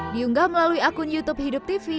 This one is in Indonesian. diunggah melalui akun youtube hidup tv